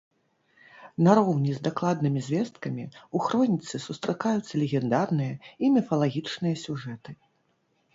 Нароўні з дакладнымі звесткамі, у хроніцы сустракаюцца легендарныя і міфалагічныя сюжэты.